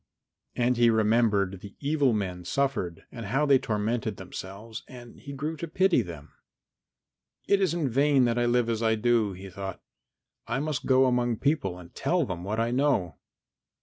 And he remembered the evil men suffered and how they tormented themselves and he grew to pity them. "It is in vain that I live as I do," he thought; "I must go among people and tell them what I know."